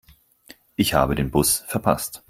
Ich habe den Bus verpasst.